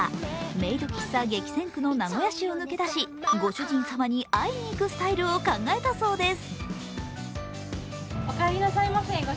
メイド喫茶激戦区の名古屋市を抜け出し、ご主人様に会いにいくスタイルを考えたそうです。